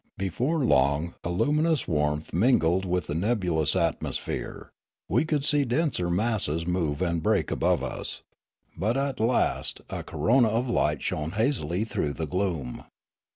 Before long a luminous warmth mingled with the nebulous atmosphere; we could see denser masses move and break above us ; and at last a corona of light shone hazily through the gloom.